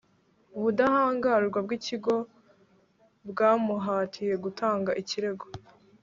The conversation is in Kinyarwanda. ubudahangarwa bwikigo bwamuhatiye gutanga ikirego